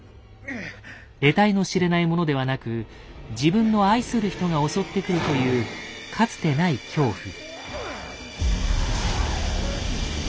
えたいの知れないものではなく自分の愛する人が襲ってくるというかつてない恐怖。